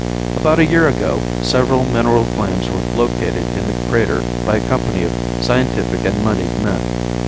About a year ago several mineral claims were located in the crater by a company of scientific and moneyed men.